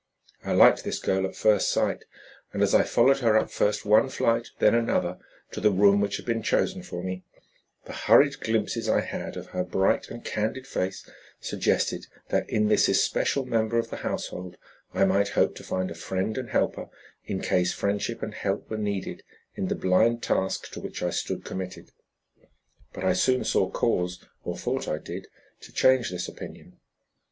I liked this girl at first sight and, as I followed her up first one flight, then another, to the room which had been chosen for me, the hurried glimpses I had of her bright and candid face suggested that in this especial member of the household I might hope to find a friend and helper in case friendship and help were needed in the blind task to which I stood committed. But I soon saw cause or thought I did to change this opinion.